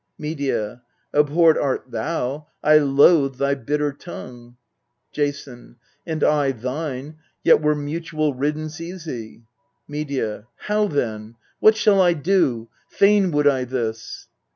Medea. Abhorred art thou ; I loathe thy bitter tongue. Jason. And I thine yet were mutual riddance easy. Medea. How then ? what shall I do ? fain would I this.